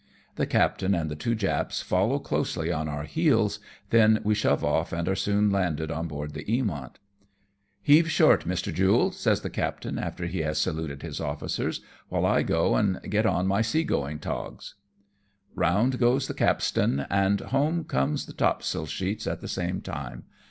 The captain and the two Japs follow closely on our heels, then we shove off and are soon landed on board the Eamont. " Heave short, Mr. Jule," says the captain after he has saluted his officers, " while I go and get on my sea going togs." 252 AMONG TYPHOONS AND PIRATE CRAFT. Round goes the capstan, and home come the topsail sheets at the same time.